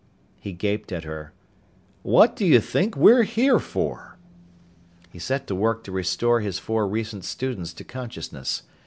He gaped at her. "What do you think we're here for?" He set to work to restore his four recent students to consciousness.